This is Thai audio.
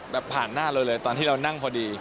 ผ่านหน้าเราเลยตอนที่เรานั่งพอดี